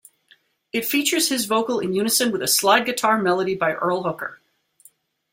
It features his vocal in unison with a slide-guitar melody by Earl Hooker.